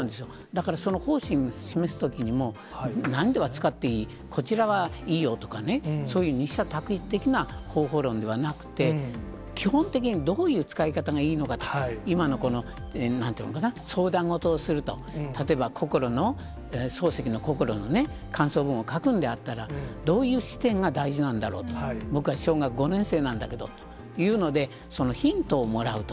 だからその方針を示すときにも、何では使っていい、こちらはいいよとかね、そういう二者択一的な方法論ではなくて、基本的にどういう使い方がいいのかと、今のこのなんていうのかな、相談事をすると、例えば心の、漱石の心のね、感想文を書くんであったら、どういう視点が大事なんだろうと、僕は小学５年生なんだというので、そのヒントをもらうと。